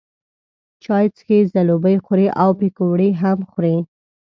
چای څښي، ځلوبۍ خوري او پیکوړې هم خوري.